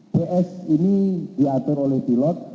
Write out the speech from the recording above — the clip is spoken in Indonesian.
cs ini diatur oleh pilot